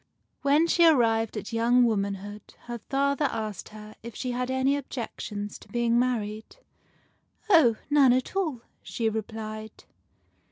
When she had arrived at young womanhood, her father asked her if she had any objections to being married. " Oh, none at all," she replied.